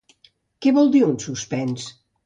Què vol dir un suspens?